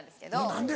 何で？